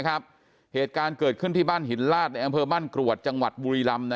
ครับเหตุการณ์เกิดขึ้นที่บ้านหินลาดบ้านกรวดจังหวัดบุรีลำนะ